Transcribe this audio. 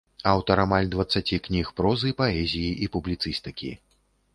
Аўтар амаль дваццаці кніг прозы, паэзіі і публіцыстыкі.